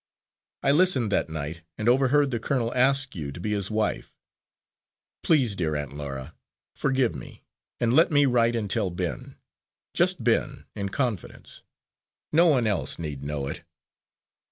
I listened that night, and overheard the colonel ask you to be his wife. Please, dear Aunt Laura, forgive me, and let me write and tell Ben just Ben, in confidence. No one else need know it."